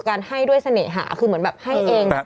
การให้ด้วยเสน่หาคือเหมือนแบบให้เอง